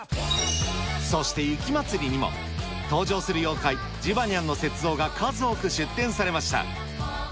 そして雪まつりにも、登場する妖怪、ジバニャンの雪像が数多く出展されました。